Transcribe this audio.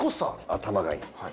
頭がいい。